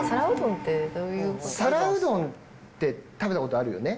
皿うどんって食べたことあるよね？